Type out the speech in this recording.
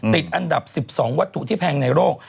ติดอันดับ๑๒วัตถุที่แพงในโลก